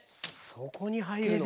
そこに入るのか。